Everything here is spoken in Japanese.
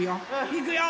いくよ！